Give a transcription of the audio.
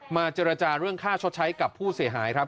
เจรจาเรื่องค่าชดใช้กับผู้เสียหายครับ